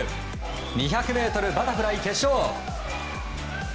２００ｍバタフライ決勝。